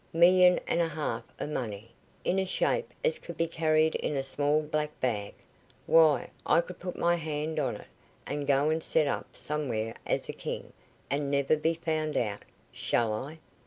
Million and a half o' money, in a shape as could be carried in a small black bag. Why, I could put my hand on it, and go and set up somewhere as a king, and never be found out. Shall I?"